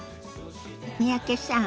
三宅さん